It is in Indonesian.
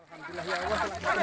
alhamdulillah ya allah